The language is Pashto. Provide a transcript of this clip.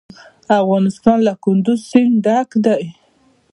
افغانستان له کندز سیند ډک دی.